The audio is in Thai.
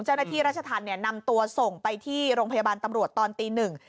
เจ้าหน้าที่ราชธรรมเนี่ยนำตัวส่งไปที่โรงพยาบาลตำรวจตอนตีหนึ่ง